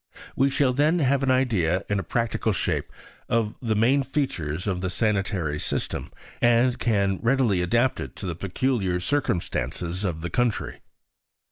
We shall then have an idea in a practical shape of the main features of the sanitary system, and can readily adapt it to the peculiar circumstances of the country.